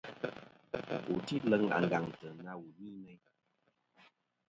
Wu tî leŋ àngàŋtɨ na wù ni meyn.